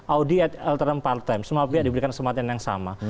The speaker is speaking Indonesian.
audi at elteran part time semua pihak diberikan kesempatan yang sama